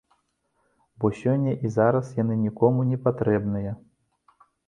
Бо сёння і зараз яны нікому не патрэбныя.